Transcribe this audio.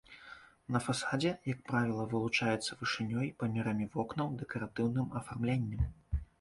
На фасадзе, як правіла, вылучаецца вышынёй, памерамі вокнаў, дэкаратыўным афармленнем.